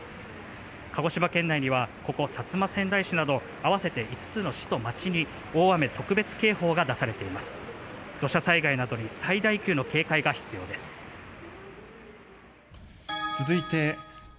鹿児島県内にはここ薩摩川内市など合わせて５つの市と町に大雨特別警報が出されています。